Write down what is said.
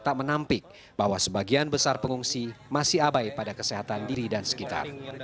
tak menampik bahwa sebagian besar pengungsi masih abai pada kesehatan diri dan sekitar